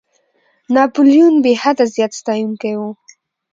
ناپولیون بېحده زیات ستایونکی وو.